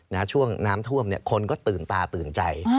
ช่วงน้ำท่วมเนี่ยคนก็ตื่นตาตื่นใจ